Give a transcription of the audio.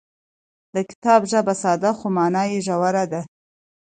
د کتاب ژبه ساده خو مانا یې ژوره ده.